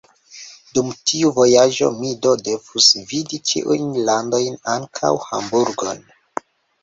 Dum tiu vojaĝo mi do devus vidi ĉiujn landojn, ankaŭ Hamburgon.